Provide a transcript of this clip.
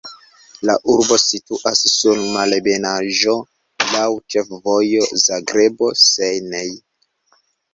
La urbo situas sur malebenaĵo, laŭ ĉefvojo Zagrebo-Senj.